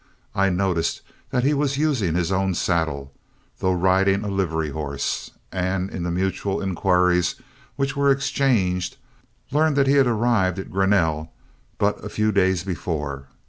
I noticed that he was using his own saddle, though riding a livery horse, and in the mutual inquiries which were exchanged, learned that he had arrived at Grinnell but a few days before.